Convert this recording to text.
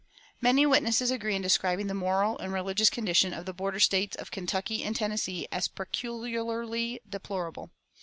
Many witnesses agree in describing the moral and religious condition of the border States of Kentucky and Tennessee as peculiarly deplorable.